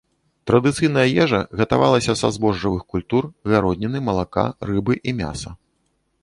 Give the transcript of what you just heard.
Традыцыйная ежа гатавалася са збожжавых культур, гародніны, малака, рыбы і мяса.